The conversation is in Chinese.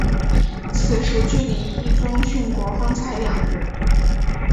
此时距离毅宗殉国方才两日。